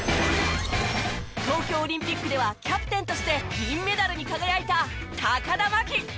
東京オリンピックではキャプテンとして銀メダルに輝いた。